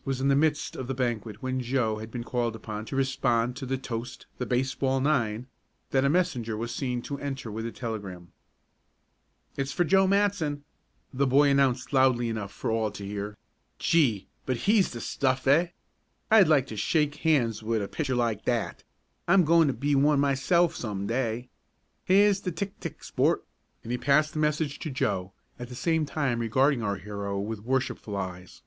It was in the midst of the banquet, when Joe had been called upon to respond to the toast, "The Baseball Nine," that a messenger was seen to enter with a telegram. "It's for Joe Matson," the boy announced loudly enough for all to hear. "Gee, but he's de stuff; eh? I'd like to shake hands wit a pitcher like dat! I'm goin' t' be one mysel' some day. Here's de tick tick, sport," and he passed the message to Joe, at the same time regarding our hero with worshipful eyes.